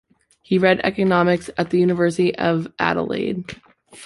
He read economics at the University of Adelaide.